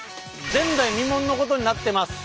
前代未聞のことになってます。